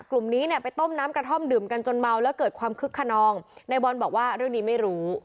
กลุ่มนี้เนี่ยไปต้มน้ำกระท่อมดื่มกันจนเมาแล้วเกิดความคึกขนองในบอลบอกว่าเรื่องนี้ไม่รู้